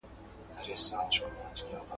الله تعالی د خپلو بندګانو ساتنه کوي.